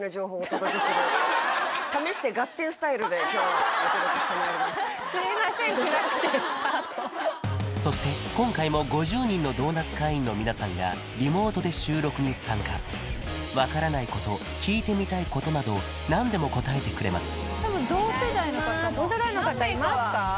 暗くてスタートそして今回も５０人のドーナツ会員の皆さんがリモートで収録に参加分からないこと聞いてみたいことなど何でも答えてくれますお願いします